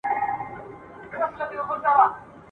وروستي منزل ته به مي پل تر کندهاره څارې !.